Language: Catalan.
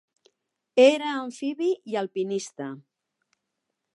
Era amfibi i alpinista.